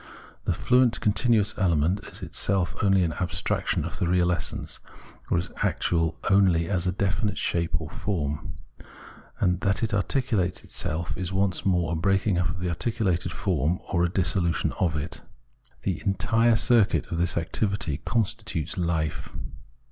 The fluent, continuous element is itself only abstraction of the real essence, or is actual only as a definite shape or form ; and that it articulates itself is once more a breaking up of the articulated form, or a dissolution of it. The entire circuit of this activity constitutes Life.